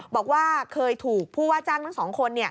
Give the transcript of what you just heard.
บอกว่าเคยถูกผู้ว่าจ้างทั้งสองคน